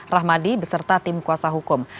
rahmadi beserta tim kuasa hukum